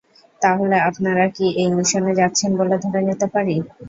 তাহলে, আপনারা কি এই মিশনে যাচ্ছেন বলে ধরে নিতে পারি?